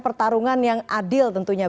pertarungan yang adil tentunya